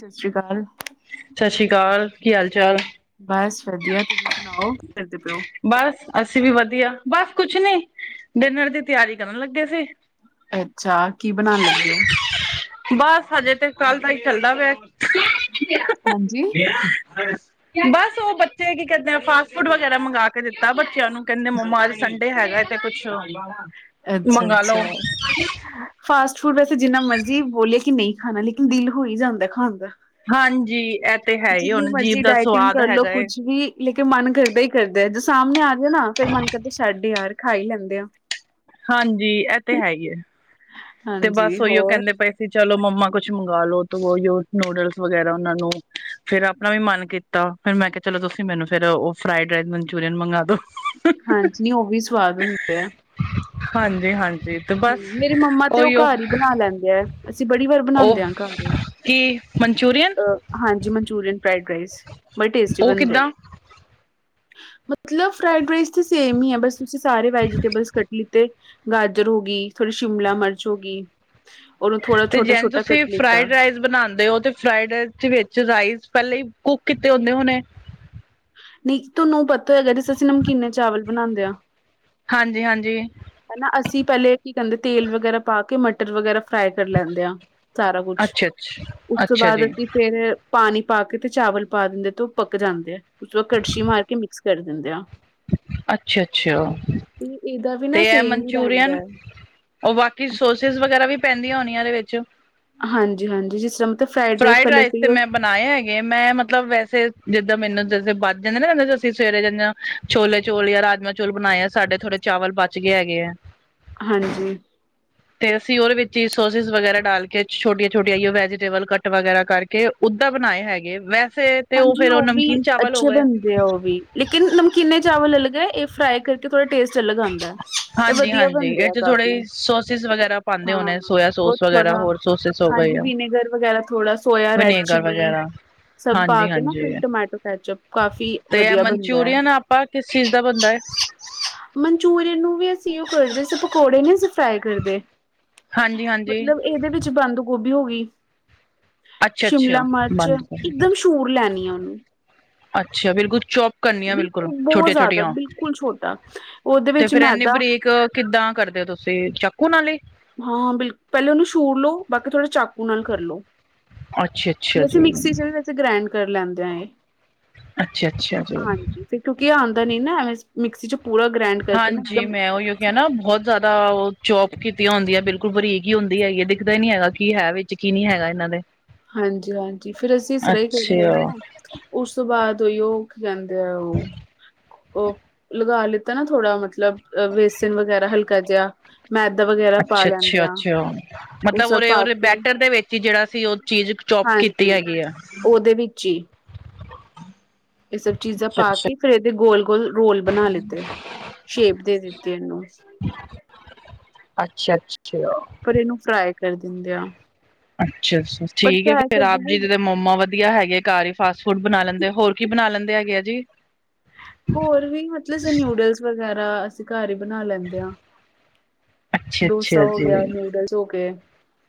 ਸਸਸ਼੍ਰੀ ਕਾਲ। ਸ਼ਸਸ਼੍ਰੀ ਕਾਲ, ਕੀ ਹਾਲ-ਚਾਲ? ਬਸ, ਵਦੀਐ। ਤੁਸੀ ਸੁਨਾਓ। ਕੀ ਕਰਦੇ ਪੇਓ? ਬਸ, ਅਸੀ ਵੀ ਵਦੀਆ। ਬਸ, ਕੁੱਛ ਨੀਂ ਡਿਨਰ ਦੀ ਤਿਆਰੀ ਕਰਨ ਲੱਗੇ ਸੀ। ਅੱਛਾ, ਕੀ ਬਨਾਨ ਲੱਗੇ ਓ? ਬਸ, ਹਜੇ ਤੇ ਕੱਲ ਦਾ ਈ ਚੱਲਦਾ ਪਿਐ। ਹਾਂਜੀ। [unintelligible] ਬੱਸ ਓ ਬੱਚੇ ਕੀ ਕੈਂਦੇ ਐ, ਫਾਸਟ-ਫੂਡ ਵਗੈਰਾ ਮੰਗਾ ਕੇ ਦਿੱਤਾ ਬੱਚਯਾ ਨੂੰ, ਕੈਂਦੇ ਮੰਮਾ ਅੱਜ ਸੰਡੇ ਹੈਗੈ, ਤੇ ਕੁੱਛ ਮੰਗਾ ਲੋ। ਫਾਸਟ-ਫੂਡ ਵੈਸੇ ਜਿੰਨਾ ਮਰਜ਼ੀ ਬੋਲੀਏ ਕਿ ਨਈਂ ਖਾਨਾ ਲੇਕਿਨ ਦਿਲ ਹੋ ਈ ਜਾਂਦੈ ਖਾਨ ਦਾ। ਹਾਂਜੀ, ਐ ਤੇ ਹੈਈ ਏ ਜਿੰਨੀ ਹੁਨ ਜੀਭ ਮਰਜ਼ੀ ਦਾ ਡਾਇਟਿੰਗ ਸਵਾਦ ਕਰ ਲੋ ਹੈਗਾ ਏ। ਕੁਛ ਵੀ ਲੇਕਿਨ ਮਨ ਕਰਦੈ ਈ, ਕਰਦੈ ਜੇ ਸਾਮਨੇ ਆਜੇ ਨਾ, ਫੇਰ ਮਨ ਕਰਦੈ ਛੱਡ ਯਾਰ ਖਾ ਈ ਲੈਂਦੇ ਆ। ਹਾਂਜੀ, ਐ ਤੇ ਹੈਈ ਏ। ਤੇ ਬਸ ਹਾਂਜੀ ਓਈਓ ਹੋਰ ਕੈਂਦੇ ਪਏ ਸੀ, ਚਲੋ ਮੰਮਾ ਕੁੱਛ ਮੰਗਾ ਲੋ ਤੋ ਓਈਓ ਨੂਡਲਸ ਵਗੈਰਾ, ਉਨਾਂ ਨੂੰ ਫੇਰ ਆਪਨਾ ਵੀ ਮਨ ਕੀਤਾ। ਫੇਰ ਮੈਂ ਕੇਆ, ਚਲੋ ਤੁਸੀ ਮੈਨੂੰ ਫੇਰ ਓ ਫਰਾਈਡ ਰਾਈਸ ਮਨਚੂਰੀਅਨ ਮੰਗਾ ਦੋ। [unintelligible] ਹਾਂਜੀ, ਓਂਵੀ ਸਵਾਦ ਹੁੰਦੇ ਐ। ਹਾਂਜੀ, ਹਾਂਜੀ। ਤੇ ਬਸ ਹੂੰ, ਮੇਰੀ ਮੰਮਾ ਤੇ ਓ ਉਹੀਓ ਘਰ ਈ ਬਨਾ ਲੈਂਦੇ ਐ। ਅਸੀ ਬੜੀ ਵਾਰ ਉਹ ਬਨਾਂਦੇ ਆਂ ਘਰ ਕੀ ਮਨਚੂਰੀਅਨ ਅ ਹਾਂਜੀ, ਮਨਚੂਰੀਅਨ ਫਰਾਈਡ ਰਾਈਸ, ਬੜੇ ਟੇਸਟੀ ਉਹ ਬਨਦੇ ਐ। ਕਿੱਦਾਂ ਮਤਲਬ ਫਰਾਈਡ ਰਾਈਸ ਤੇ ਸੇਮ ਈ ਐ, ਬਸ ਤੁਸੀ ਸਾਰੇ ਵੈਜੀਟੇਬਲ ਕੱਟ ਲਿੱਤੇ। ਗਾਜਰ ਹੋਗੀ, ਥੋੜੀ ਸ਼ਿਮਲਾ ਮਰਚ ਹੋਗੀ। ਓਹਨੂੰ ਥੋੜਾ ਛੋਟਾ-ਛੋਟਾ ਕੱਟ ਲਿੱਤਾ। ਬਨਾਂਦੇ ਓ ਤੇ ਫਰਾਈਡ ਰਾਈਸ ਦੇ ਵਿੱਚ ਰਾਈਸ ਪਹਿਲੇ ਈ ਕੁੱਕ ਕੀਤੇ ਹੁੰਦੇ ਹੋਨੇ? ਨੀ ਤੋਨੂੰ ਪਤਾ ਹੈਗੈ ਜਿਸ ਅਸੀ ਨਮਕੀਨੇ ਚਾਵਲ ਬਨਾਂਦੇ ਆਂ। ਹਾਂਜੀ, ਹਾਂਜੀ। ਹਨਾ, ਅਸੀ ਪਹਿਲੇ ਕੀ ਕੈਂਦੇ ਤੇਲ ਵਗੈਰਾ ਪਾ ਕੇ, ਮਟਰ ਵਗੈਰਾ ਫਰਾਈ ਕਰ ਲੈਂਦੇ ਆਂ ਸਾਰਾ ਕੁੱਛ, ਅੱਛਾ ਅੱਛਾ ਉਸ ਤੋ ਅੱਛਾ ਬਾਦ ਜੀ ਅਸੀ। ਫੇਰ ਪਾਨੀ ਪਾ ਕੇ, ਤੇ ਚਾਵਲ ਪਾ ਦਿੰਦੇ, ਤੇ ਓਹ ਪੱਕ ਜਾਂਦੇ ਐ, ਉਸ ਤੋ ਬਾਦ ਕੜਛੀ ਮਾਰ ਕੇ ਮਿਕਸ। ਫੇਰ ਦਿੰਦੇ ਆਂ। ਅੱਛਾ ਅੱਛਾ। ਇਹ ਇਹਦਾ ਵੀ। ਨਾ ਤੇ ਇਹ ਸੇਮ ਹੀ ਮਨਚੂਰੀਅਨ ਰਹਿੰਦਾ ਹੈ ਉਹ ਬਾਕੀ ਸੋਸਿਸ ਵਗੈਰਾ ਵੀ ਪੈਂਦੀਆਂ ਹੋਣੀਆਂ ਇਹਦੇ ਵਿੱਚ। ਹਾਂਜੀ, ਹਾਂਜੀ ਜੀ ਸਬ ਦੇ ਫਰਾਈਡ ਰਾਈਸ ਕਰਲੇ ਸੀ। ਉਹ। ਬਣਾਏ ਹੈਗੇ ਮੈਂ ਮਤਲਬ ਵੈਸੇ ਜਿੱਦਾਂ ਮੈਨੂੰ ਬਚ ਜਾਂਦੇ ਨਾ ਕਹਿੰਦੇ ਅਸੀਂ ਸਵੇਰੇ ਜਾਂਦੇ ਹਾਂ। ਛੋਲੇ ਚੋਲ ਜਾਂ ਰਾਜਮਾਂ ਚੋਲ ਬਣਾਏ ਆ ਸਾਡੇ ਥੋੜੇ ਚਾਵਲ ਬਚ ਗਏ ਹੈਗੇ ਹੈ। ਹਾਂਜੀ। ਤੇ ਅਸੀਂ ਉਹਦੇ ਵਿੱਚ ਹੀ ਸੋਸਿਸ ਵਗੈਰਾ ਡਾਲ ਕੇ ਛੋਟੀਆਂ ਛੋਟੀਆਂ ਜਿਹਾ ਉਹ ਵੈਜੀਟੇਬਲ ਕੱਟ ਵਗੈਰਾ ਕਰਕੇ। ਕੇ ਓਦਾਂ ਬਣਾਏ ਹੈਗੇ ਵੈਸੇ ਤੇ ਉਹ ਫੇਰ ਉਹ ਨਮਕੀਨ ਚਾਵਲ ਹੋ ਗਏ। ਤੇ ਉਹ ਵੀ ਲੇਕਿਨ ਨਮਕੀਨੇ ਚਾਵਲ ਅਲੱਗ ਹੈ। ਇਹ ਫਰਾਈ ਕਰਕੇ ਥੋੜਾ ਟੇਸਟ ਅਲੱਗ ਆਉਂਦਾ ਹੈ। ਇਹ ਹਾਂਜੀ ਵਧੀਆ ਹਾਂਜੀ ਬਣਦੇ ਇਹ ਆ ਚ ਕਾਫੀ ਥੋੜੇ ਸੋਸਿਸ ਵਗੈਰਾ ਪਾਉਂਦੇ ਹਾਂ ਹੋਣੇ ਸੋਇਆ ਉਹ ਸੋਸ ਵਗੈਰਾ ਥੋੜ੍ਹਾ। ਹੋਰ ਸੋਸਿਸ ਹੋ ਗਈ ਹਾਂਜੀ ਆ ਵਿਨੇਗਰ ਵਗੈਰਾ ਥੋੜਾ ਸੋਇਆ, ਰੈਡ ਵਿਨੇਗਰ ਚਿੱਲੀ। ਵਗੈਰਾ ਸਬ ਪਾ ਹਾਂਜੀ ਕੇ ਨਾ ਹਾਂਜੀ ਫੇਰ ਟੋਮਾਟੋ ਕੈਚਅਪ ਕਾਫੀ ਤੇ ਇਹ ਵਧੀਆ ਬਣਦਾ ਹੈ। ਮਨਚੂਰੀਅਨ ਆਪਾਂ ਕਿਸ ਚੀਜ਼ ਦਾ ਬਣਦਾ ਹੈ ਮਨਚੂਰੀਅਨ ਨੂੰ ਵੀ ਅਸੀਂ ਉਹ ਕਰਦੇ ਸੀ ਪਕੌੜੇ ਨੀ ਅਸੀਂ ਫਰਾਈ ਕਰਦੇ। ਹਾਂਜੀ ਹਾਂਜੀ ਮਤਲਬ ਇਹਦੇ ਵਿੱਚ ਬੰਦ ਗੋਭੀ ਹੋ ਗਈ। ਅੱਛਾ ਸ਼ਿਮਲਾ ਅੱਛਾ ਮਿਰਚ ਬੰਦ ਗੋਭੀ। ਇੱਕਦਮ ਸ਼ੂਰ ਲੈਣੀ ਆ ਉਹਨੂੰ। ਅੱਛਾ ਬਿਲਕੁਲ ਚੌਪ। ਕਰਨੀਆਂ ਬਿਲਕੁਲ ਬਹੁਤ ਛੋਟੀਆਂ ਜ਼ਿਆਦਾ ਛੋਟੀਆਂ ਬਿਲਕੁਲ ਛੋਟਾ ਉਹਦੇ ਤੇ ਵਿੱਚ ਫੇਰ ਇਨੀ ਮੈਦਾ ਬਰੀਕ। ਕਿੱਦਾਂ ਕਰਦੇ ਹੋ ਤੁਸੀਂ ਚਾਕੂ ਨਾਲ ਹੀ। ਹਾਂ ਹਾਂ ਬਿਲਕੁਲ ਪਹਿਲੇ ਉਹਨੂੰ ਛੂਰ ਲੋ ਬਾਕੀ ਥੋੜੇ ਚਾਕੂ ਨਾਲ ਕਰਲੋ। ਅੱਛਾ ਅੱਛਾ ਵੀ ਅਸੀਂ ਜੀ ਮਿਕਸੀ 'ਚ ਵੀ ਵਿੱਚ ਗ੍ਰੈਂਡ ਕਰ ਲੈਂਦੇ ਹਾਂ ਇਹ। ਅੱਛਾ ਅੱਛਾ ਜੀ। ਫੇਰ ਕਿਉਂਕਿ ਇਹ ਆਉਂਦਾ ਨਹੀਂ ਨਾ ਐਵੇਂ ਮਿਕਸੀ 'ਚ ਪੂਰਾ ਗ੍ਰੈਂਡ। ਕਰਕੇ ਨਾ ਹਾਂਜੀ ਇੱਕਦਮ ਮੈਂ ਉਹੀ ਉਹ। ਉਹੀ ਨਾ ਬਹੁਤ ਜ਼ਿਆਦਾ ਉਹ ਚੋਪ ਕੀਤੀਆਂ ਹੁੰਦੀਆਂ ਬਿਲਕੁਲ ਬਰੀਕ ਹੀ ਹੁੰਦੀ ਹੈਗੀ ਹੈ ਦਿਖਦਾ ਹੀ ਨੀ ਹੈਗਾ ਕੀ ਹੈ ਵੀ। ਯਕੀਨ ਨਹੀਂ ਹੈਗਾ ਇਹਨਾਂ ਦੇ। ਹਾਂਜੀ ਹਾਂਜੀ ਫੇਰ ਅਸੀਂ ਇਸ ਤਰ੍ਹਾਂ ਹੀ ਕਰ ਲੈਂਦੇ ਅੱਛਾ ਹਾਂ। ਉਸ ਤੋਂ ਬਾਅਦ ਉਹੀ ਕਿ ਕਹਿੰਦੇ ਆ ਉਹ। ਉਹ ਲਗਾ ਲਿੱਤਾ ਨਾ ਥੋੜਾ ਮਤਲਬ ਬੇਸਨ ਵਗੈਰਾ ਹਲਕਾ ਜਿਹਾ। ਮੈਦਾ ਵਗੈਰਾ। ਪਾ ਅੱਛਾ ਲੈਂਦੇ ਅੱਛਾ ਆ ਅੱਛਾ ਉਹ ਮਤਲਬ ਸਭ ਉਰੇ ਪਾ ਉਹਦੇ ਕੇ ਬੈਟਰ ਦੇ ਵਿੱਚ ਹੀ ਜਿਹੜਾ ਸੀ ਉਹ ਚੀਜ਼। ਚੌਪ ਕੀਤੀ ਹਾਂਜੀ ਹੈਗੀ ਆ। ਉਹਦੇ ਵਿੱਚ ਹੀ ਇਹ ਸਭ ਚੀਜ਼ਾਂ ਅੱਛਾ ਪਾ ਅੱਛਾ ਕੇ ਫੇਰ ਇਹਦੇ ਗੋਲ। ਬਿਲਕੁਲ ਰੋਲ ਬਣਾ ਲਿੱਤੇ ਸ਼ੇਪ ਦੇ ਦਿੱਤੀ ਇਹਨੂੰ। ਅੱਛਾ ਅੱਛਾ। ਪਰ ਇਹਨੂੰ ਫਰਾਈ ਕਰ ਦਿੰਦੇ ਆ। ਅੱਛਾ ਅੱਛਾ ਬਟ ਠੀਕ ਹੈ ਫਰਾਈ ਫਿਰ ਕਰਦੇ ਆਪ ਵੀ ਜੀ ਦੇ। ਮੋਮ ਵਧੀਆ ਹੈਗੇ ਘਰ ਹੀ ਫਾਸਟ ਫੂਡ ਬਣਾ ਲੈਂਦੇ ਹੋਰ ਕੀ ਬਣਾ ਲੈਂਦੇ ਹੈਗੇ ਆ ਜੀ। ਹੋਰ ਵੀ ਮਤਲਬ ਨੂਡਲਸ ਵਗੈਰਾ ਅਸੀਂ ਘਰ ਹੀ ਬਣਾ ਲੈਂਦੇ ਹਾਂ। ਅੱਛਾ ਡੋਸਾ ਅੱਛਾ ਹੋ ਗਿਆ, ਜੀ ਨਿਊਡਲਸ ਹੋ ਗਏ।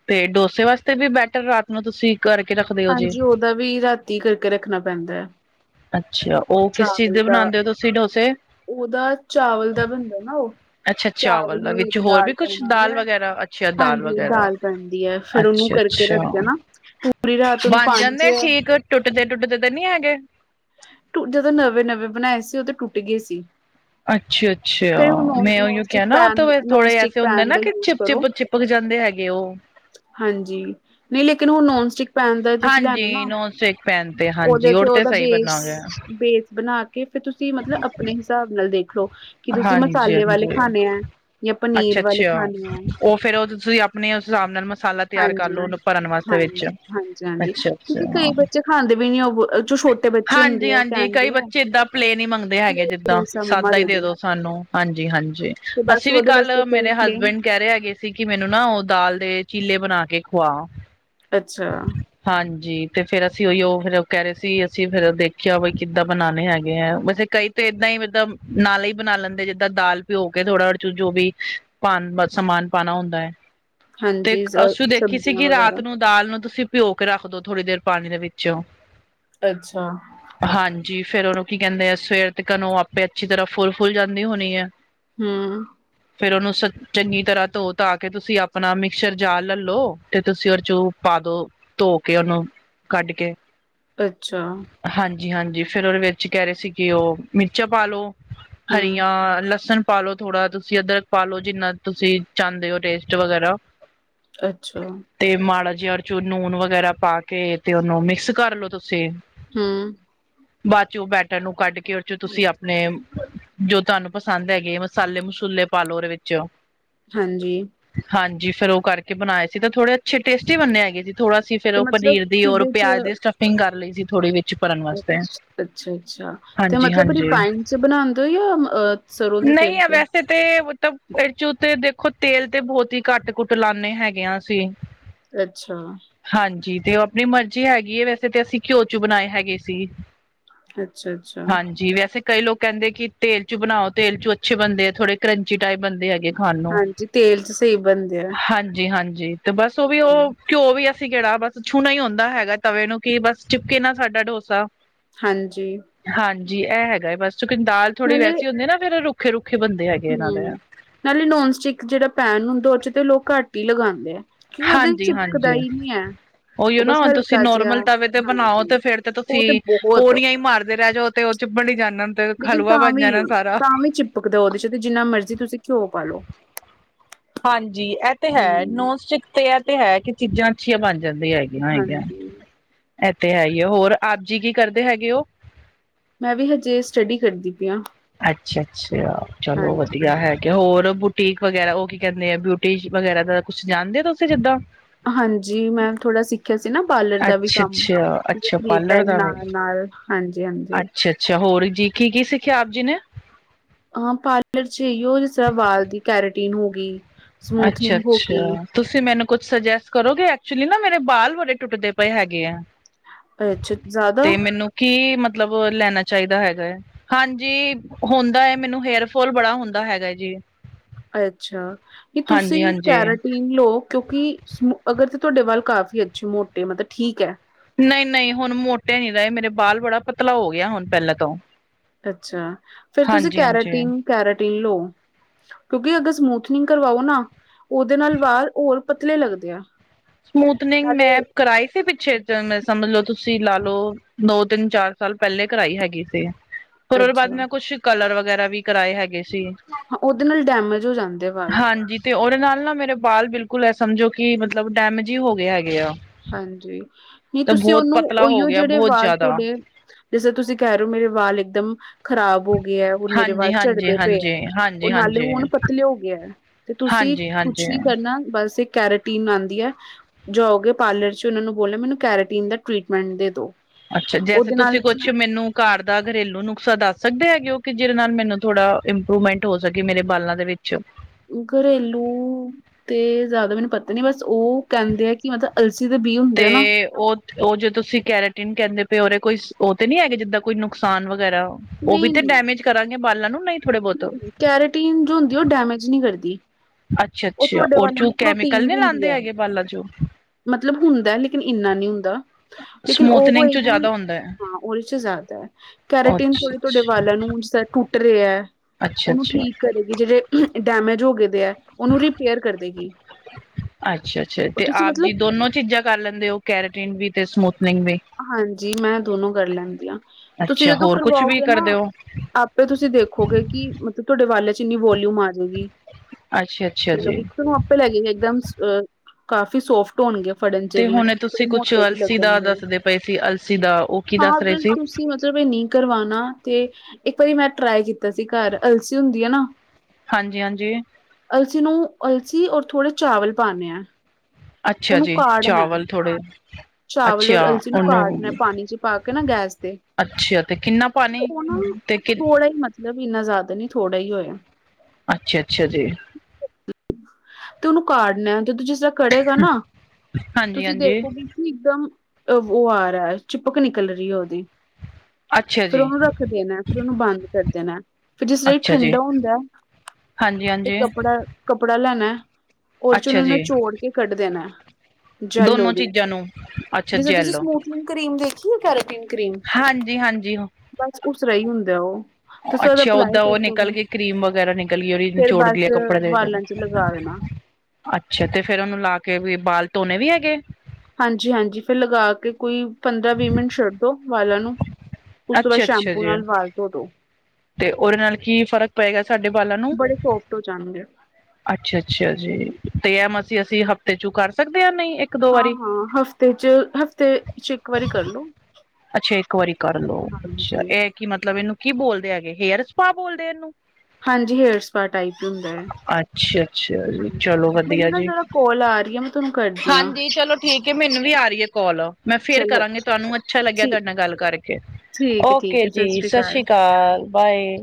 ਤੇ ਡੋਸੇ ਵਾਸਤੇ ਵੀ ਬੈਟਰ ਰਾਤ ਨੂੰ ਤੁਸੀਂ ਕਰਕੇ ਰੱਖਦੇ ਹੋ ਜੀ। ਉਹ ਦਾ ਵੀ ਰਾਤੀ ਕਰਕੇ ਰੱਖਣਾ ਪੈਂਦਾ ਹੈ। ਅੱਛਾ ਉਹ ਕਿਸ ਚੀਜ਼ ਚਾਵਲ ਦੇ ਦਾ ਬਣਾਉਂਦੇ ਹੋ ਤੁਸੀਂ ਡੋਸੇ। ਉਹਦਾ ਚਾਵਲ ਦਾ ਬਣਦਾ ਨਾ ਉਹ ਅੱਛਾ ਚਾਵਲ ਦਾ ਔਰ ਵਿੱਚ ਇੱਕ ਹੋਰ ਦਾਲ ਵੀ ਕੁਛ ਪੈਂਦੀ ਦਾਲ ਹੈ ਵਗੈਰਾ ਅੱਛਾ ਦਾਲ ਹਾਂਜੀ ਵਗੈਰਾ। ਦਾਲ ਪੈਂਦੀ ਹੈ ਫੇਰ ਉਹਨੂੰ ਅੱਛਾ ਕਰਕੇ ਅੱਛਾ। ਰੱਖਦੇ ਨਾ ਪੂਰੀ ਰਾਤ ਉਹਨੂੰ ਬਣ ਪਾਣੀ ਜਾਂਦੇ ਆ ਚ ਠੀਕ ਟੁੱਟਦੇ ਟੁੱਟਦੇ ਤੇ ਨਹੀਂ ਹੈਗੇ। ਟੁੱਟ ਜਦੋਂ ਨਵੇਂ ਨਵੇਂ ਬਣਾਏ ਸੀ ਉਦੋਂ ਟੁੱਟ ਗਏ ਸੀ। ਅੱਛਾ ਅੱਛਾ ਫੇਰ ਹੁਣ ਮੈਂ ਨੋਨ ਉਹੀ ਸਟਿਕ ਕਿਹਾ ਨਾ ਉਹ ਪੈਨ ਤਾਂ ਨੋਨ ਥੋੜੇ ਸਟਿਕ ਐਸੇ ਹੁੰਦੇ ਪੈਨ ਨਾ ਦਾ ਕਿ ਯੂਜ ਚਿਪ ਕਰੋ ਚਿਪਿ। ਚਿਪਕ ਜਾਂਦੇ ਹੈਗੇ ਉਹ। ਹਾਂਜੀ ਨਹੀਂ ਲੇਕਿਨ ਹੁਣ ਨੋਨ ਸਟਿਕ ਪੈਣ ਦਾ ਤੁਸੀਂ ਲੈਣਾ ਨਾ ਸਕ ਪੈਨ [unintelligible] ਉਹਦੇ ਉਹ ਤੇ ਉਹਦਾ ਸਹੀ ਬੇਸ ਬਣਾ ਗਿਆ ਬੇਸ ਬਣਾ ਕੇ ਫਿਰ ਤੁਸੀਂ ਮੱਤਲਬ ਆਪਣੇ ਹਿਸਾਬ ਨਾਲ ਦੇਖ ਲਓ ਕੀ ਤੁਸੀਂ ਹਾਂਜੀ ਮਸਾਲੇ ਵਾਲੇ ਹਾਂਜੀ ਖਾਣੇ ਹੈ ਜਾਂ ਪਨੀਰ ਵਾਲੇ ਖਾਣੇ ਹੈ ਫਿਰ ਉਹ ਤੁਸੀਂ ਆਪਣੇ ਉਸ ਹਿਸਾਬ ਨਾਲ ਮਸਾਲਾ ਤਿਆਰ ਹਾਂਜੀ ਕਰਲੋ ਉਹਨੂੰ ਭਰਨ ਵਾਸਤੇ ਵਿੱਚ ਹਾਂਜੀ ਅੱਛਾ ਅੱਛਾ ਖੰਡ ਵੀ ਨੀ ਉਹ ਛੋਟੀ ਹਾਂਜੀ ਹਾਂਜੀ ਕਈ ਬੱਚੇ ਏਦਾਂ ਪਲੇਨ ਹੀ ਮੰਗਦੇ ਹੈਗੇ ਜਿੱਦਾਂ ਸਾਦਾ ਹੀ ਦੇ ਦੋ ਸਾਨੂੰ ਹਾਂਜੀ ਹਾਂਜੀ ਤੇ ਬਸ ਅਸੀਂ ਵੀ ਉਹਦੇ ਕੱਲ ਵਾਸਤੇ ਫਿਰ ਮੇਰੇ ਪਲੇਨ ਹਸਬੈਂਡ ਕਹਿ ਰਹੇ ਹੈਗੇ ਸੀ ਕਿ ਮੈਨੂੰ ਨਾ ਉਹ ਦਾਲ ਦੇ ਚੀਲੇ ਬਣਾ ਕੇ ਖਵਾ ਅੱਛਾ ਹਾਂਜੀ ਤੇ ਫਿਰ ਅਸੀਂ ਉ ਉਹ ਫਿਰ ਕਹਿ ਰਹੇ ਸੀ ਅਸੀਂ ਫਿਰ ਦੇਖਿਆ ਬਈ ਕਿੱਦਾਂ ਬਣਾਉਣੇ ਹੈਗੇ ਹੈ ਵੈਸੇ ਕਈ ਤੇ ਏਦਾਂ ਹੀ ਮਤਲੱਬ ਨਾਲੇ ਹੀ ਬਣਾ ਲੈਂਦੇ ਜਿੱਦਾਂ ਦਾਲ ਭਿਓ ਕੇ ਥੋੜਾ ਚੱ ਜੋ ਵੀ ਪਾਨ ਸਮਾਨ ਪਾਉਣਾ ਹੁੰਦਾ ਹੈ ਤੇ ਹਾਂਜੀ ਅਸੀ ਦੇਖੀ ਸੀ ਸਬਜ਼ੀਆਂ ਕਿ ਰਾਤ ਵਗੈਰਾ ਨੂੰ ਦਾਲ ਨੂੰ ਤੁਸੀਂ ਭਿਉਂ ਕੇ ਰੱਖ ਦਿੳ ਥੋੜ੍ਹੀ ਦੇਰ ਪਾਣੀ ਦੇ ਵਿੱਚ ਅੱਛਾ ਹਾਂਜੀ ਫਿਰ ਉਹਨੂੰ ਕੀ ਕਹਿੰਦੇ ਆ ਸਵੇਰ ਤਕਨ ਆਪੇ ਅੱਛੀ ਤਰ੍ਹਾਂ ਫੁੱਲ ਫੁੱਲ ਜਾਂਦੀ ਹੋਣੀ ਹੈ ਹਮ ਫਿਰ ਉਹਨੂੰ ਚੰਗੀ ਤਰ੍ਹਾਂ ਧੋ ਧਾ ਕੇ ਤੁਸੀਂ ਆਪਣਾ ਮਿਕਸਰ ਜ ਲੈਲੋ ਤੇ ਤੁਸੀਂ ਉਹਦੇ ਚ ਪਾਦੋ ਧੋ ਕੇ ਉਹਨੂੰ ਕੱਢ ਕੇ ਅੱਛਾ ਹਾਂਜੀ ਹਾਂਜੀ ਫਿਰ ਉਹਦੇ ਵਿੱਚ ਕਹਿ ਰਹੇ ਸੀਗੇ ਉਹ ਮਿਰਚਾਂ ਪਾ ਲੋ ਹਮ ਹਰੀਆਂ ਲਸਣ ਪਾਲੋ ਥੋੜਾ ਤੁਸੀਂ ਅਦੱਰਕ ਪਾ ਲਓ ਜਿੰਨਾ ਤੁਸੀਂ ਚਾਹੁੰਦੇ ਹੋ ਟੇਸਟ ਵਗੈਰਾ ਅੱਛਾ ਤੇ ਮਾੜਾ ਜਿਹਾ ਚੱ ਨੂਨ ਵਗੈਰਾ ਪਾ ਕੇ ਤੇ ਉਹਨੂੰ ਮਿਕਸ ਕਰਲੋ ਤੁਸੀਂ ਹਮ ਬਾਅਦ ਚੋਂ ਮੈਟਰ ਨੂੰ ਕੱਢ ਕੇ ਉਹਦੇ ਚੋਂ ਤੁਸੀਂ ਆਪਣੇ ਜੋ ਤੁਹਾਨੂੰ ਪਸੰਦ ਹੈਗੇ ਮਸਾਲੇ ਮਸੂਲੇ ਪਾਲੋ ਉਹਦੇ ਵਿੱਚ ਹਾਂਜੀ ਹਾਂਜੀ ਫਿਰ ਉਹ ਕਰਕੇ ਬਣਾਏ ਸੀ ਤਾਂ ਥੋੜੇ ਅੱਛੇ ਟੇਸਟੀ ਬੰਨਿਆ ਹੈਗੇ ਸੀ ਥੋੜ੍ਹਾ ਅਸੀਂ ਫੇਰ ਤੇ ਉਹ ਮਤਲਬ ਪਨੀਰ ਦੀ ਔਰ ਕਿਦੇ ਚ ਪਿਆਜ ਦੀ ਸਟਫਿੰਗ ਕਰ ਲਈ ਸੀ ਥੋੜ੍ਹੀ ਵੀ ਅੱਛਾ -ਅੱਛਾ ਤੇ ਮੱਤਲਬ ਹਾਂਜੀ-ਹਾਂਜੀ। ਰਿਫਾਈਂਡ 'ਚ ਬਣਾਉਦੇ ਹੋ ਜਾਂ ਅਹ ਸਰੋਂ ਦੇ ਤੇਲ ਨਹੀਂ ਆ ਤੋਂ ਵੈਸੇ ਤੇ ਮੱਤਲਬ ਇਰ 'ਚੋ ਤੇ ਦੇਖੋ ਤੇਲ ਤੇ ਬਹੁਤ ਹੀ ਘੱਟ ਘੁੱਟ ਲਾਂਣੈ ਹੈਗੇ ਹਾਂ ਅਸੀਂ ਅੱਛਾ ਹਾਂਜੀ ਤੇ ਉਹ ਆਪਣੀ ਮਰਜ਼ੀ ਹੈਗੀ ਹੈ ਵੈਸੇ ਤਾਂ ਅਸੀਂ ਘਿਓ 'ਚੋ ਬਣਾਏ ਹੈਗੇ ਸੀ। ਅੱਛਾ, ਅੱਛਾ ਹਾਂਜੀ ਵੈਸੇ ਕਈ ਲੋਕ ਕਹਿੰਦੇ ਕਿ ਤੇਲ ਚੱ ਬਣਾਓ ਤੇਲ ਚੱ ਅੱਛੇ ਬਣਦੇ ਆ ਥੋੜੇ ਕਰੰਚੀ ਟਾਈਪ ਬਣਦੇ ਹੈਗੇ ਸਾਨੂੰ ਹਾਂਜੀ ਤੇਲ ਚ ਸਹੀ ਬਣਦੇ ਆ। ਹਾਂਜੀ ਹਾਂਜੀ ਤੇ ਬੱਸ ਉਹ ਵੀ ਉਹ ਘਿਓ ਵੀ ਅਸੀਂ ਕਿਹੜਾ ਬੱਸ ਛੂਣਾ ਹੀ ਹੁੰਂਦਾ ਹੈਗਾ ਤਵੇ ਨੂੰ ਕਿ ਬੱਸ ਚਿਪਕੇ ਨਾ ਸਾਡਾ ਡੋਸਾ ਹਾਂਜੀ ਹਾਂਜੀ ਇਹ ਹੈਗਾ ਏ ਬਸ ਕੀ ਦਾਲ ਥੋੜ੍ਹੀ ਨਾਲੇ ਵੈਸੀ ਹੁੰਦੀ ਨਾ ਫਿਰ ਰੁੱਖੇ- ਰੁੱਖੇ ਬਣਦੇ ਹੈਗੇ ਇਹਨਾਂ ਦੇ ਹੂੰ ਨਾਲੇ ਨੋਨ ਸਟਿਕ ਜਿਹੜਾ ਪੈਨ ਹੁੰਦਾ ਤੇ ਲੋਕ ਘੱਟ ਹੀ ਲਗਾਂਦੇ ਆ। ਕਿਉਂਕਿ ਉਹਦੇ ਚ ਹਾਂਜੀ- ਚਿਪਕਦਾ ਹਾਂਜੀ ਹੀ ਨੀ ਹੈ ਉਹੀ ਉਹ ਨਾ ਬਸ ਤੁਸੀਂ ਹਲਕਾ ਜਿਹਾ ਨੋਰਮਲ ਤਵੇ ਤੇ ਬਣਾਓ ਤੇ ਹਾਂਜੀ। ਫਿਰ ਤੇ ਉਹ ਤੁਸੀਂ ਬਹੁਤ ਪੋਨੀਆਂ ਹੀ ਮਾਰਦੇ ਰਹਿ ਜਾਓ। ਤੇ ਉਹ ਚੁਬਣ ਈ ਜਾਨਣ ਲੇਕਿਨ ਤਾਂ ਵੀ ਤਾਂ ਵੀ ਚਿਪਕਦਾ ਉਹਦੇ 'ਚ ਤੇ ਜਿੰਨਾ ਮਰਜ਼ੀ ਤੁਸੀਂ ਘਿਓ ਪਾ ਲਓ। ਹਾਂਜੀ ਇਹ ਤੇ ਹੈ ਨੋਨਸਟਿਕ ਤੇ ਇਹ ਤੇ ਹੈ ਕਿ ਚੀਜ਼ਾਂ ਅੱਛੀਆਂ ਬਣ ਜਾਂਦੀਆਂ ਹੈਗੀਆਂ- ਹੈਗੀਆਂ। ਹਾਂਜੀ। ਇੱਥੇ ਹੈ ਹੀ ਆ ਹੋਰ ਆਪ ਜੀ ਕੀ ਕਰਦੇ ਹੈਗੇ ਉਹ ਮੈਂ ਵੀ ਹਜੇ ਸਟੱਡੀ ਕਰਦੀ ਪਈ ਆਂ। ਅੱਛਾ -ਅੱਛਾ ਚਲੋ ਵਧੀਆ ਹੈ। ਕਿ ਹੋਰ ਬੁਟੀਕ ਵਗੈਰਾ ਉਹ ਕੀ ਕਹਿੰਦੇ ਆ ਬਿਊਟੀਸ਼ ਵਗੈਰਾ ਦਾ ਕੁਛ ਜਾਣਦੇ ਹੋ ਤੁਸੀਂ ਜਿੱਦਾਂ ਹਾਂਜੀ ਮੈਂ ਥੋੜ੍ਹਾ ਸਿੱਖਿਆ ਸੀ ਨਾ ਪਾਰਲਰ ਦਾ ਵੀ ਅੱਛਾ ਕੰਮ ਅੱਛਾ ਅੱਛਾ ਪਾਰਲਰ [unintelligible] ਦਾ ਵੀ ਨਾਲ- ਨਾਲ ਹਾਂਜੀ -ਹਾਂਜੀ ਅੱਛਾ ਅੱਛਾ ਹੋਰ ਜੀ ਕੀ- ਕੀ ਸਿੱਖਿਆ ਆਪ ਜੀ ਨੇ। ਹਾਂ ਪਾਰਲਰ 'ਚ ਇਓ ਜਿਸ ਤਰ੍ਹਾਂ ਵਾਲ ਦੀ ਕੈਰੇਟੀਨ ਹੋ ਗਈ ਅੱਛਾ ਸਮੂਥਨਿੰਗ ਹੋ ਗਈ। ਅੱਛਾ ਤੁਸੀਂ ਮੈਨੂੰ ਕੁਛ ਸੁਜੈਸਟ ਕਰੋਗੇ ਐਕਚੁਲੀ ਨਾ ਮੇਰੇ ਬਾਲ ਬੜੇ ਟੁੱਟਦੇ ਪਏ ਹੈਗੇ ਆ। ਅੱਛਾ ਜ਼ਿਆਦਾ ਤੇ ਮੈਨੂੰ ਕੀ ਮਤਲਬ ਲੈਣਾ ਚਾਹੀਦਾ ਹੈਗਾ ਹੈ। ਹਾਂਜੀ ਹੁੰਦਾ ਹੈ ਮੈਨੂੰ ਹੇਅਰ ਫੋਲ ਬੜਾ ਹੁੰਦਾ ਹੈਗਾ ਜੀ। ਅੱਛਾ ਕੀ ਤੁਸੀਂ ਹਾਂਜੀ ਹਾਂਜੀ ਕੈਰਟੀ ਨੀ ਲੋ ਕਿਉਂਕਿ ਅਗਰ ਤੇ ਤੁਹਾਡੇ ਵੱਲ ਕਾਫ਼ੀ ਅੱਛੇ ਮੋਟੇ ਮਤਲਬ ਠੀਕ ਹੈ। ਨਹੀਂ- ਨਹੀਂ ਹੁਣ ਮੋਟੇ ਨਹੀਂ ਰਹੇ ਮੇਰੇ ਬਾਲ ਬੜਾ ਪਤਲਾ ਹੋ ਗਿਆ ਹੁਣ ਪਹਿਲਾਂ ਤੋਂ ਅੱਛਾ ਫੇਿਰ ਤੁਸੀਂ ਹਾਂਜੀ ਹਾਂਜੀ ਕੈਰਾਟੀਨ- ਕੈਰਾਟੀਨ ਲਓ। ਕਿਉਂਕਿ ਅਗਰ ਸਮੂਥਨਿੰਗ ਕਰਵਾਓ ਨਾ ਉਹਦੇ ਨਾਲ ਵਾਲ ਹੋਰ ਪਤਲੇ ਲੱਗਦੇ ਆ। ਸਮੂਥਨਿੰਗ ਮੈਂ ਨਾਲੇ ਕਰਾਈ ਸੀ ਪਿੱਛੇ ਸਮਝ ਲੋ ਤੁਸੀਂ ਲਾ ਲਓ। ਦੋ ਤਿੰਨ ਚਾਰ ਸਾਲ ਪਹਿਲੇ ਕਰਾਈ ਹੈਗੀ ਸੀ। ਫਿਰ ਉਹਦੇ ਬਾਅਦ ਅੱਛਾ ਮੈਂ ਕੁਛ ਕਲਰ ਵਗੈਰਾ ਵੀ ਕਰਾਏ ਹੈਗੇ ਸੀ। ਹਾਂ ਉਹਦੇ ਨਾਲ ਡੈਮੇਜ ਹੋ ਜਾਂਦੇ ਆ ਵਾਲ ਹਾਂਜੀ ਤੇ ਉਹਦੇ ਨਾਲ ਨਾ ਮੇਰੇ ਬਾਲ ਬਿਲਕੁਲ ਹੈ ਸਮਝੋ ਕਿ ਮਤਲਬ ਡੈਮੇਜ ਹੀ ਹੋ ਗਏ ਹੈਗੇ ਆ। ਹਾਂਜੀ ਨਹੀਂ ਤੇ ਤੁਸੀਂ ਬਹੁਤ ਉਹਨੂੰ ਪਤਲਾ ਹੋ ਉਹੀਓ ਗਿਆ ਜਿਹੜੇ ਬਹੁਤ ਵਾਲ ਜ਼ਿਆਦਾ ਤੁਹਾਡੇ ਜਿਸ ਤਰ੍ਹਾਂ ਤੁਸੀਂ ਕਹਿ ਰਹੇ ਹੋ ਮੇਰੇ ਵਾਲ ਇਕਦਮ ਖ਼ਰਾਬ ਹੋ ਗਏ ਹੈ ਹੁਣ ਮੇਰੇ ਵਾਲ ਹਾਂਜੀ ਹਾਂਜੀ ਝੜਦੇ ਪਏ ਹੈ ਹਾਂਜੀ ਉਹ ਹਾਂਜੀ ਨਾਲੇ ਹਾਂਜੀ ਹੁਣ ਪਤਲੇ ਤੇ ਤੁਸੀਂ ਹਾਂਜੀ ਕੁਛ ਹਾਂਜੀ ਨੀ ਕਰਨਾ ਬਸ ਇਹ ਕੈਰੇਟੀਨ ਆਉਂਦੀ ਹੈ ਜਾਓਗੇ। ਪਾਰਲਰ 'ਚ ਉਹ ਨੂੰ ਬੋਲਿਆ ਮੈਨੂੰ ਕੈਰੇਟੀਨ ਦਾ ਟ੍ਰਰੀਟਮੈਂਟ ਦੇ ਦੋ। ਅੱਛਾ ਜੈਸੇ ਉਹਦੇ ਨਾਲ ਤੁਸੀਂ ਕੁੱਛ ਕੀ ਮੈਨੂੰ ਘਾਰ ਦਾ ਘਰੇਲੂ ਨੁਕਸਾ ਦੱਸ ਸਕਦੇ ਹੈਗੇ ਉਹ ਕਿ ਜਿਹਦੇ ਨਾਲ ਮੈਨੂੰ ਥੋੜਾ ਇੰਪਰੂਵਮੈਂਟ ਹੋ ਸਕੇ ਮੇਰੇ ਬਾਲਾਂ ਦੇ ਵਿੱਚ ਘਰੇਲੂ ਤੇ ਜ਼ਿਆਦਾ ਮੈਨੂੰ ਪਤਾ ਨੀ ਬਸ ਉਹ ਕਹਿੰਦੇ ਆ ਕਿ ਮਤਲਬ ਅਲਸੀ ਦੇ ਬੀ ਤੇ ਹੁੰਦੇ ਆ ਨਾ। ਉਹ ਉਹ ਜੋੇ ਤੁਸੀਂ ਕੈਰੇਟੀਨ ਕਹਿੰਦੇ ਪਏ ਉਰੇ ਕੋਈ ਉਹ ਤੇ ਨ ਨਹੀਂ ਹੈਗੇ ਜਿੱਦਾਂ ਕੋਈ ਨੁਕਸਾਨ ਵਗੈਰਾ ਉਹ ਵੀ ਨਹੀਂ ਤੇ ਨਹੀਂ ਡੈਮੇਜ ਕਰਾਂਗੇ ਬਾਲਾਂ ਨੂੰ ਨਹੀਂ ਥੋੜੇ ਬਹੁਤ ਕੈਰੇਟੀਨ ਜੋ ਹੁੰਦੀ ਉਹ ਡੈਮੇਜ ਨਹੀਂ ਕਰਦੀ। ਅੱਛਾ ਉਹ -ਅੱਛਾ ਤੁਹਾਡੇ ਊਰ ਵਾਲੇ ਜੋ ਨੂੰ ਕੈਮੀਕਲ ਪ੍ਰੋਟੀਨ ਨੀ ਦਿੰਦੀ ਲਾਂਦੇ ਹੈ ਹੈਗੇ ਬਾਲਾਂ 'ਚੋਂ ਮਤਲਬ ਹੁੰਦਾ ਲੇਕਿਨ ਇੰਨਾ ਨਹੀਂ ਹੁੰਦਾ ਲੇਕਿਨ ਉਹ ਸਮੂਥਨਿੰਗ ਚ ਹੋਏਗੀ, ਜ਼ਿਆਦਾ ਹੁੰਦਾ ਹੈ ਹਾਂ ਉਹਦੇ ਚ ਜ਼ਿਆਦਾ ਹੈ ਕੈਰੇਟੀਨ ਅੱਛਾ ਥੋੜੇ ਤੁਹਾਡੇ ਵਾਲਾਂ ਨੂੰ ਕੱਟਰੇ ਹੈ, ਅੱਛਾ ਉਹਨੂੰ ਅੱਛਾ ਠੀਕ ਕਰੇਗੀ ਜਿਹੜੇ ਡੈਮੇਜ ਹੋ ਗਏ ਦੇ ਹੈ ਉਹਨੂੰ ਰਿਪੇਅਰ ਕਰ ਦੇਗੀ ਅੱਛਾ, ਅੱਛਾ ਉਹ ਤੇ ਤੁਸੀਂ ਆਪ ਜੀ ਮਤਲਬ ਦੋਨੋ ਚੀਜ਼ਾਂ ਕਰ ਲੈਂਦੇ ਉਹ ਕੈਰੇਟੀਨ ਵੀ ਤੇ ਸਮੂਥਨਿੰਗ ਵੀ ਹਾਂਜੀ, ਮੈਂ ਦੋਨੋ ਕਰ ਲੈਂਦੀ ਹਾਂ ਤੁਸੀਂ ਅੱਛਾ ਜਦੋਂ ਹੋਰ ਕੁਛ ਵੀ ਕਰਵਾਓਗੇ ਨਾ ਕਰਦੇ ਹੋ ਆਪੇ ਤੁਸੀਂ ਦੇਖੋਗੇ ਕਿ ਮਤਲਬ ਤੁਹਾਡੇ ਵਾਲਾਂ ਚ ਇੰਨੀ ਵੋਲਿਊਮ ਆ ਜਾਵੇਗੀ ਅੱਛਾ ਅੱਛਾ ਤ ਜੀ ਇੱਕ ਆਪੇ ਲੈਗੇ ਇੱਕਦਮ ਅ ਕਾਫੀ ਸੋਫਟ ਹੋਣਗੇ ਫੜਨ ਚ ਤੇ ਵੀ ਹੁਣੇ ਤੁਸੀਂ ਬੜੇ ਕੁਛ ਮੋਟੇ ਵੀ ਅਲਸੀ ਦਾ ਲੱਗਣਗੇ ਦੱਸਦੇ ਪਏ ਸੀ ਅਲਸੀ ਦਾ ਉਹ ਕੀ ਹਾਂ ਦੱਸ ਰਹੇ ਅਗਰ ਸੀ ਤੁਸੀਂ ਮਤਲਬ ਇਹ ਨਹੀਂ ਕਰਵਾਉਣਾ ਤੇ ਇੱਕ ਵਾਰੀ ਮੈਂ ਟਰਾਈ ਕੀਤਾ ਸੀ ਘਰ ਅਲਸੀ ਹੁੰਦੀ ਹੈ ਨਾ ਹਾਂਜੀ- ਹਾਂਜੀ ਅਲਸੀ ਨੂੰ ਅਲਸੀ ਔਰ ਥੋੜੇ ਚਾਵਲ ਪਾਉਂਦੇ ਹਾਂ ਅੱਛਾ ਜੀ ਚਾਵਲ ਥੋੜੇ ਚਾਵਲ ਔਰ ਅੱਛਾ ਅਲਸੀ ਨੂੰ ਉਹਨੂੰ ਪਾਣੀ ਚ ਪਾ ਕੇ ਨਾ ਗੈਸ ਤੇ ਅੱਛਾ ਤੇ ਕਿੰਨਾ ਪਾਣੀ, ਉਹ ਨਾ ਤੇ ਕਿ ਥੋੜਾ ਹੀ ਮਤਲਬ ਇੰਨਾ ਜ਼ਿਆਦਾ ਨ ਥੋੜਾ ਹੀ ਹੋਇਆ ਅੱਛਾ -ਅੱਛਾ ਜੀ ਤੇ ਉਹਨੂੰ ਕਾੜਨ ਆ ਜਦੋਂ ਜਿਸ ਤਰਾਂ ਕਰੜੇਗਾ ਨਾ ਹਾਂਜੀ ਤੁਸੀਂ ਹਾਂਜੀ ਦੇਖੋਗੇ ਇਕਦਮ ਉਹ ਆ ਰਿਹਾ ਚਿਪਕ ਨਿਕਲ ਰਹੀ ਹੈ ਉਹਦੀ ਅੱਛਾ ਫਿਰ ਜੀ ਉਹਨੂੰ ਰੱਖ ਦੇਣਾ ਫਿਰ ਉਹਨੂੰ ਬੰਦ ਕਰ ਦੇਣਾ ਫਿਰ ਜਿਸ ਵੇਲੇ ਅੱਛਾ ਜੀ ਠੰਡਾ ਹੁੰਦਾ ਹਾਂਜੀ ਇੱਕ -ਹਾਂਜੀ ਕੱਪੜਾ ਕੱਪੜਾ ਲੈਣਾ ਉਹਦੇ ਚ ਅੱਛਾ ਉਹਨੂੰ ਜੀ ਨਿਚੋੜ ਕੇ ਕੱਢ ਦੇਣਾ, ਜੈਲ ਦੋਨੋ ਉਹਦੀ ਚੀਜ਼ਾਂ ਨੂੰ ਅੱਛਾ ਜਿੱਦਾ ਤੁਸੀਂ ਜੈਲ ਸਮੂ ਸੂਮ ਕਰੀਮ ਦੇਖੀਏ ਕੈਰੇਟੀਨ ਹਾਂਜੀ- ਹਾਂਜੀ ਬਸ ਉਸ ਤਰ ਹੀ ਹੁੰਦਾ ਉਹ ਤੁਸੀਂ ਉਹਦਾ ਅੱਛਾ ਅਪਲਾਈ ਓਦਾਂ ਉਹ ਕਰ ਨਿਕਲ ਦੋਗੇ ਗਈ ਕਰੀਮ ਵਗੈਰਾ ਨਿਕਲ ਗਈ ਉਹਦੀ ਫੇਰ ਨਿਚੋੜ ਕੇ ਗ ਬਸ ਕੱਪੜੇ ਦੇ ਵਾਲਾਂ ਚ ਲਗਾ ਦੇਣਾ ਅੱਛਾ ਤੇ ਫੇਰ ਉਹਨੂੰ ਲਾ ਕੇ ਵੀ ਬਾਲ ਧੋਣੇੇ ਵੀ ਹੈਗੇ ਹਾਂਜੀ- ਹਾਂਜੀ ਫਿਰ ਲਗਾ ਕੇ ਕੋਈ ਪੰਦਰਾਂ ਵੀਹ ਮਿੰਟ ਛੱਡ ਦੋ ਵਾਲਾਂ ਨੂੰ ਉਸ ਤੋਂ ਬਾਅਦ ਅੱਛਾ, ਅੱਛਾ ਸ਼ੈਂਪੂ ਜੀ ਨਾਲ ਵਾਲ ਧੋ ਦੋ ਤੇ ਉਹਦੇ ਨਾਲ ਕੀ ਫ਼ਰਕ ਪਏਗਾ ਸਾਡੇ ਬਾਲਾਂ ਨੂੰ ਬੜੇ ਸੋਫਟ ਹੋ ਜਾਣਗੇ ਅੱਛਾ ਅੱਛਾ ਜੀ ਤੇ ਐ ਮ ਅਸੀਂ ਅਸੀਂ ਹਫ਼ਤੇ ਚੋਂ ਕਰ ਸਕਦੇ ਹਾਂ ਨਹੀਂ ਦੋ ਹਾਂ ਵਾਰੀ -ਹਾਂ ਹਫ਼ਤੇ ਚ, ਹਫਤੇ ਚ ਇੱਕ ਵਾਰੀ ਕਰਲੋ ਅੱਛਾ ਇੱਕ ਕਰ ਲਓ, ਅੱਛਾ ਇਹ ਕੀ ਮਤਲਬ ਇਹਨੂੰ ਕੀ ਬੋਲਦੇ ਹੈਗੇ ਹੇਅਰ ਸਪਾ ਬੋਲਦੇ ਇਹਨੂੰ ਹਾਂਜੀ ਹੇਅਰ ਸਪਾ ਟਾਈਪ ਹੁੰਦਾ ਹੈ, ਅੱਛਾ ਅੱਛਾ ਜੀ ਹ ਚਲੋ ਮੈਨੂੰ ਵਧੀਆ ਨਾ ਜੀ ਜਿਹੜਾ ਹਾਂਜੀ ਚਲੋ ਠੀਕ ਹੈ, ਮੈਨੂੰ ਵੀ ਆ ਰਹੀ ਹੈ ਕਾਲ, ਮੈਂ ਫਿਰ ਚਲੋ ਕਰਾਂਗੀ ਤੁਹਾਨੂੰ ਅੱਛਾ ਲੱਗਿਆ ਠੀ ਤੁਹਾਡੇ ਨਾਲ ਗੱਲ ਕਰਕੇ, ਠੀਕ ਹੈ, ਠੀਕ ਓਕੇ ਹੈ, ਜੀ, ਸਤਿ ਸ਼੍ਰੀ ਅਕਾਲ ਬਾਏ